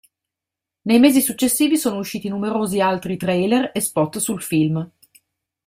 Nei mesi successivi sono usciti numerosi altri trailer e spot sul film.